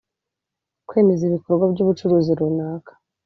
kwemeza ibikorwa by ubucuruzi runaka